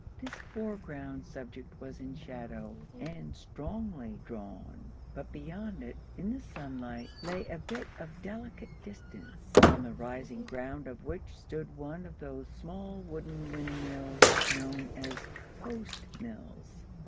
This foreground subject was in shadow, and strongly drawn, but beyond it, in the sunlight, lay a bit of delicate distance, on the rising ground of which stood one of those small wooden windmills known as Post mills.